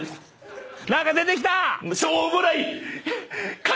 何か出てきた！